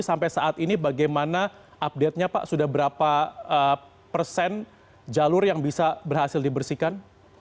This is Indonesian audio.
sampai saat ini bagaimana update nya pak sudah berapa persen jalur yang bisa berhasil dibersihkan